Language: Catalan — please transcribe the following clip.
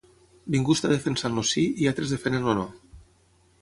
Ningú està defensant el Sí i altres defenen el No.